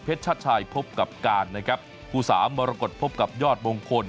ชัดชายพบกับการนะครับคู่สามมรกฏพบกับยอดมงคล